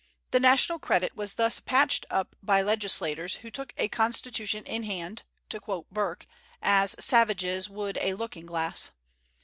The national credit was thus patched up by legislators who took a constitution in hand, to quote Burke "as savages would a looking glass."